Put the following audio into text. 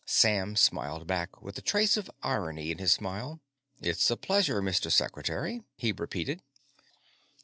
Sam smiled back, with a trace of irony in the smile. "It's a pleasure, Mr. Secretary," he repeated.